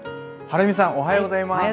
はるみさんおはようございます。